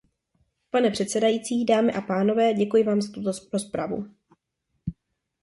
Pane předsedající, dámy a pánové, děkuji vám za tuto rozpravu.